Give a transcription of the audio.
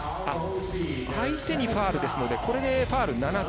相手にファウルですのでこれでファウル７つ。